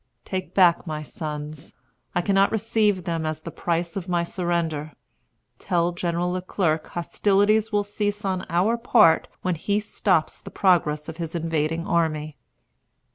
Take back my sons. I cannot receive them as the price of my surrender. Tell General Le Clerc hostilities will cease on our part when he stops the progress of his invading army."